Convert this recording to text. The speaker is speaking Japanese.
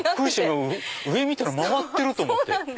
上見たら曲がってる！と思って。